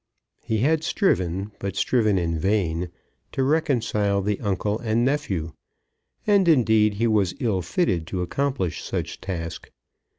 He had striven, but striven in vain, to reconcile the uncle and nephew. And, indeed, he was ill fitted to accomplish such task.